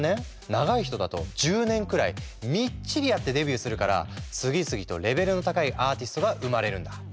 長い人だと１０年くらいみっちりやってデビューするから次々とレベルの高いアーティストが生まれるんだ。